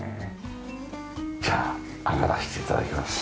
じゃあ上がらせて頂きます。